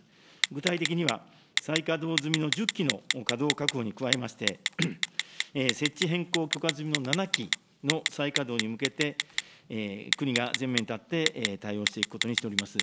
具体的には、再稼働済みの１０基の稼働確保に加えまして、設置変更許可済みの７基の再稼働に向けて、国が前面に立って、対応していくことにしております。